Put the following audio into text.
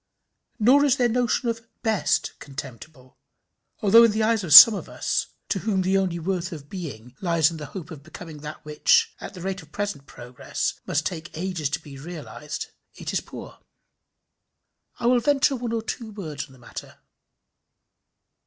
Nor is their notion of best contemptible, although in the eyes of some of us, to whom the only worth of being lies in the hope of becoming that which, at the rate of present progress, must take ages to be realized, it is poor. I will venture one or two words on the matter.